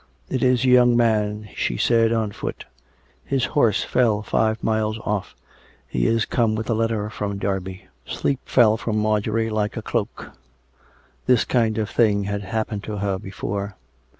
" It is a young man," she said, " on foot. His horse fell five miles off. He is come with a letter from Derby." Sleep fell from Marjorie like a cloak. This kind of thing had happened to her before.